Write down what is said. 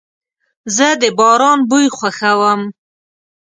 زه د باران بوی خوښوم.